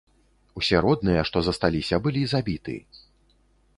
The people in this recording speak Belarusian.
Усе родныя, што засталіся былі забіты.